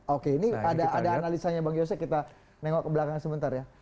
oke ini ada analisanya bang yose kita nengok ke belakang sebentar ya